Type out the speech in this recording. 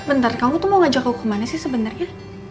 bentar kamu tuh mau ngajak aku kemana sih sebenarnya